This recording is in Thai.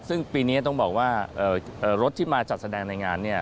ซึ่งปีนี้ต้องบอกว่ารถที่มาจัดแสดงในงานเนี่ย